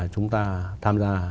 chúng ta tham gia